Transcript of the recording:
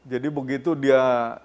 jadi begitu dia